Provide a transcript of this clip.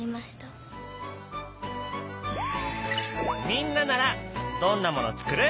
みんなならどんなもの作る？